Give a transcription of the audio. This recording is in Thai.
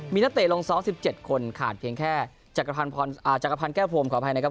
มีนักเตะลง๒๗คนขาดเพียงแค่จักรพันธ์แก้วพรมขออภัยนะครับ